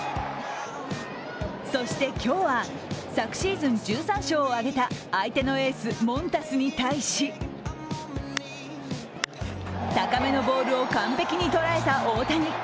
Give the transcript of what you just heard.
そして今日は昨シーズン１３勝を挙げた相手のエース・モンタスに対し高めのボールを完璧に捉えた大谷。